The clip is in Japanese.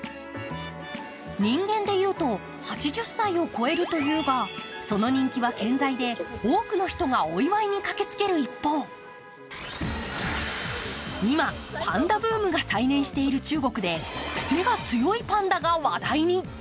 人間でいうと８０歳を超えるというが、その人気は健在で多くの人がお祝いに駆けつける一方、今、パンダブームが再燃している中国で癖が強いパンダが話題に。